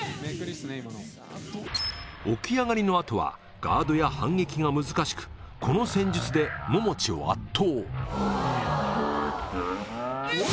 起き上がりの後はガードや反撃が難しくこの戦術でももちを圧倒